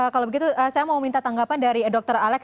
kalau begitu saya mau minta tanggapan dari dr alex